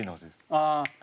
ああ。